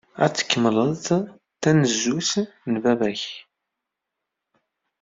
Ad tkemmled tanezzut n baba-k.